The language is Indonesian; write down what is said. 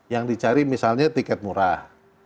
yang dicari misalnya tiket murah